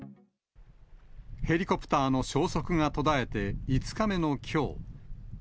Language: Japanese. ヘリコプターの消息が途絶えて５日目のきょう。